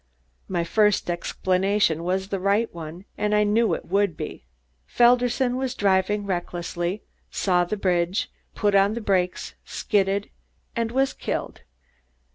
My first explanation was the right one, as I knew it would be. Felderson was driving recklessly, saw the bridge, put on the brakes, skidded was killed."